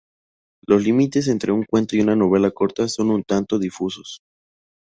Los límites entre un cuento y una novela corta son un tanto difusos.